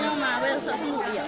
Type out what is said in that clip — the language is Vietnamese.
nhưng mà trường đấy tốt